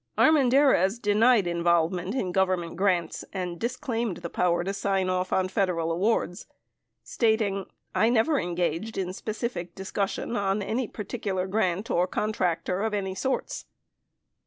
73 Armendariz denied involvement in Government grants and dis claimed the power to sign off on Federal awards, stating "I never en gaged in specific discussion on any particular grant or contractor of any sorts."